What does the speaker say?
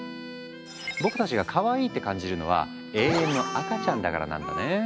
僕たちがかわいいって感じるのは「永遠の赤ちゃん」だからなんだね。